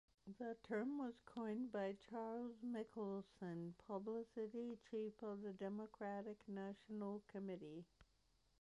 The term was coined by Charles Michelson, publicity chief of the Democratic National Committee.